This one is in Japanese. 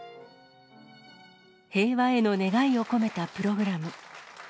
平和への願いを込めたプログラム。